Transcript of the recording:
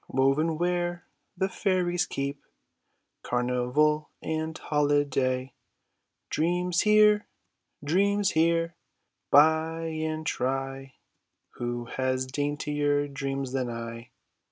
Woven where the fairies keep Carnival and holiday ; Dreams here ! Dreams here ! buy and try ; Who has daintier dreams than I?